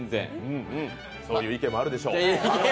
うんうんそういう意見もあるでしょう。